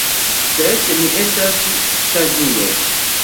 Sed mi estas saĝulo.